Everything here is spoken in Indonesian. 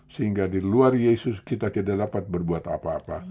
sehingga di luar yesus kita tidak dapat berbuat apa apa